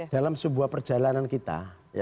dalam sebuah perjalanan kita